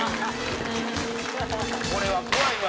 「これは怖いわ。